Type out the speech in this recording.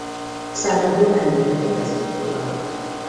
Szárnyukon nem nőnek evezőtollak.